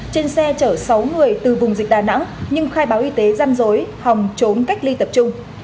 trên xe chở sáu người từ vùng dịch đà nẵng nhưng khai báo y tế răn rối hòng trốn cách ly tập trung